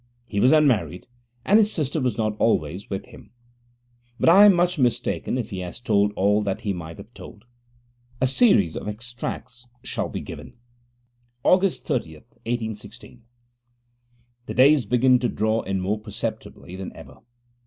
He was unmarried and his sister was not always with him. But I am much mistaken if he has told all that he might have told. A series of extracts shall be given: Aug. 30th 1816 The days begin to draw in more perceptibly than ever.